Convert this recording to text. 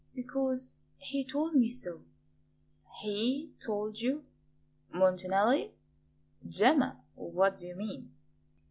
"Because he told me so." "HE told you? Montanelli? Gemma, what do you mean?"